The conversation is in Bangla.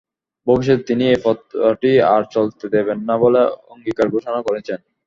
ভবিষ্যতে তিনি এই প্রথাটি আর চলতে দেবেন না বলে অঙ্গীকার ঘোষণা করেছেন।